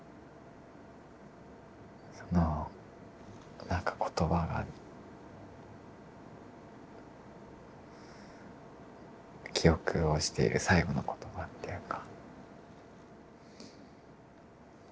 そのなんか言葉が記憶をしている最後の言葉っていうか。